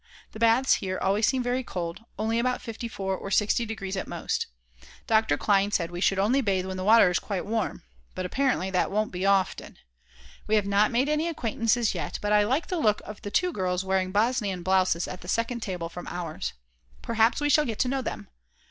The baths here always seem very cold, only about 54 or 60 degrees at most. Dr. Klein said we should only bathe when the water is quite warm. But apparently that won't be often. We have not made any acquaintances yet, but I like the look of the two girls wearing Bosnian blouses at the second table from ours. Perhaps we shall get to know them.